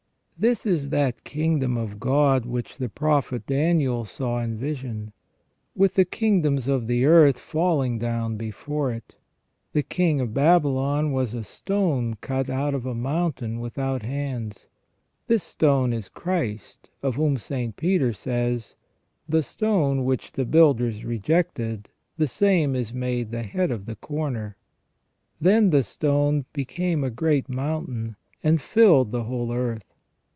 This is that kingdom of God which the Prophet Daniel saw in vision, with the kingdoms of the earth falling down before it. The king of Babylon saw " a stone cut out of a mountain without hands ". This stone is Christ, of whom St. Peter says :" The stone which the builders rejected, the same is made the head of the corner ". Then the stone " became a great mountain, and filled the whole earth